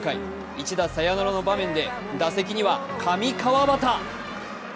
一打サヨナラの場面で打席には上川畑。